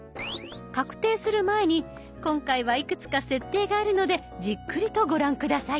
確定する前に今回はいくつか設定があるのでじっくりとご覧下さい。